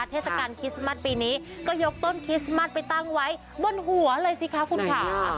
เทศกาลคริสต์มัสปีนี้ก็ยกต้นคริสต์มัสไปตั้งไว้บนหัวเลยสิคะคุณค่ะ